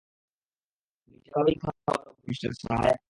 মিশেলের এভাবেই খাওয়ার অভ্যাস মিস্টার সাহায়।